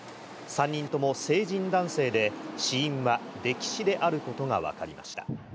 ３人とも成人男性で死因は溺死であることがわかりました。